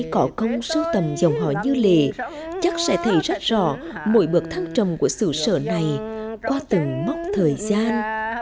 trong dòng họ như lệ chắc sẽ thấy rất rõ mỗi bước thăng trầm của sự sở này qua từng mốc thời gian